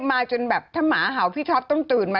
มาจนแบบถ้าหมาเห่าพี่ท็อปต้องตื่นมา